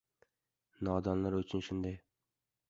Nodonlar uchun shunday…